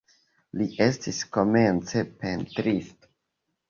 Li estis komence pentristo.